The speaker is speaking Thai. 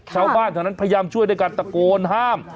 ชาวบ้านเท่านั้นพยายามช่วยด้วยการตะโกนห้าม